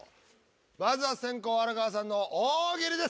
まずは先攻荒川さんの大喜利です。